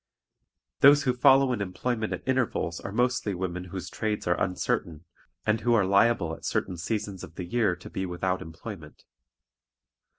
Those who follow an employment at intervals are mostly women whose trades are uncertain, and who are liable at certain seasons of the year to be without employment.